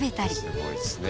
「すごいですね。